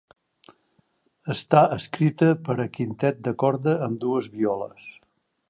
Està escrita per a quintet de corda amb dues violes.